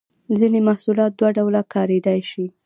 ځینې محصولات دوه ډوله کاریدای شي.